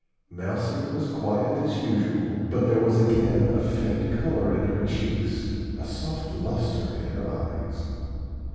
Mousie was quiet, as usual; but there was again a faint color in her cheeks, a soft lustre in her eyes.